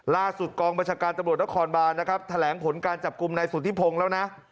ล่าสุดกองบัชการตำรวจและคอนบาร์แถลงผลการจับกลุ่มในสุธิพงศ์แล้วนะ